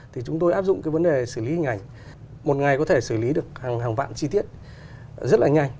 thì chúng tôi áp dụng cái vấn đề xử lý hình ảnh một ngày có thể xử lý được hàng vạn chi tiết rất là nhanh